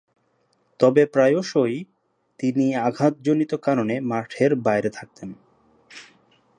তবে প্রায়শঃই তিনি আঘাতজনিত কারণে মাঠের বাইরে থাকতেন।